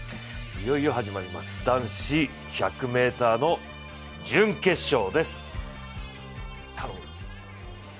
いよいよ始まります、男子１００ｍの準決勝です。